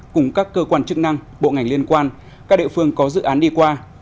cùng các cơ quan chức năng bộ ngành liên quan các địa phương có dự án đi qua